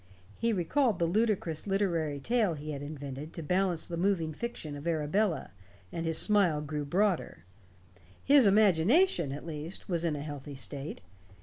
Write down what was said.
He recalled the ludicrous literary tale he had invented to balance the moving fiction of Arabella, and his smile grew broader. His imagination, at least, was in a healthy state.